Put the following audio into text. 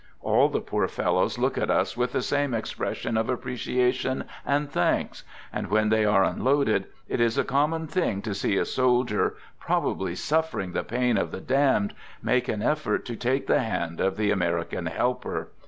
All the poor fellows look at us with the same expression of appreciation) and thanks; and when they are unloaded, it is a | common thing to see a soldier, probably suffering I the pain of the damned, make an effort to take the; hand of the American helper.